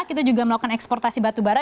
kita juga melakukan eksportasi batubara